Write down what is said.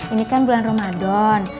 ini kan bulan ramadhan